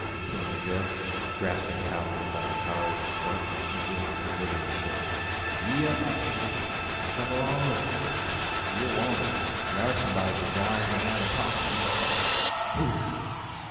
continues Zeb, grasping Calhoun by the collar of his coat, and giving him a vigorous shake. "Yee up, I say; an kum along wi' us! Ye're wanted. Thar's somebody desirin' to have a talk wi' you!" "Who?